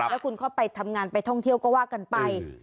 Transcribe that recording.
แล้วคุณเข้าไปทำงานไปท่องเที่ยวก็ว่ากันไป